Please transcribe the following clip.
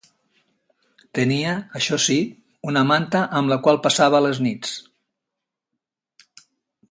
Tenia, això sí, una manta amb la qual passava les nits.